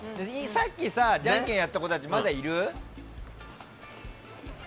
さっきじゃんけんやった子たちまだいる？